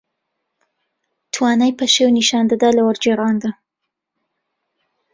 توانایی پەشێو نیشان دەدا لە وەرگێڕاندا